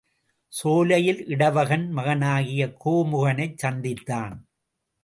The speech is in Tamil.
சோலையில் இடவகன் மகனாகிய கோமுகனைச் சந்தித்தான்.